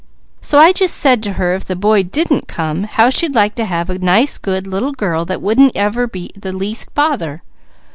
So I just said to her if the boy didn't come, how'd she like to have a nice, good little girl that wouldn't ever be the least bother.